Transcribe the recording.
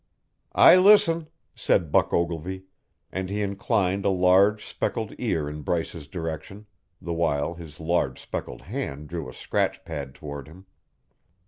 "I listen," said Buck Ogilvy, and he inclined a large speckled ear in Bryce's direction, the while his large speckled hand drew a scratch pad toward him.